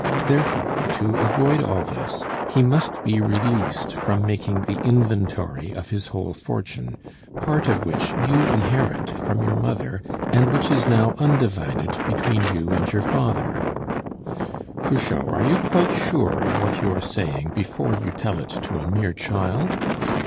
Therefore, to avoid all this, he must be released from making the inventory of his whole fortune, part of which you inherit from your mother, and which is now undivided between you and your father " "Cruchot, are you quite sure of what you are saying before you tell it to a mere child?"